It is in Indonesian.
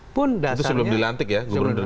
itu sebelum dilantik ya